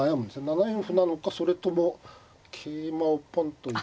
７四歩なのかそれとも桂馬をぽんと行くか。